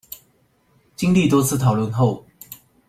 經歷多次討論後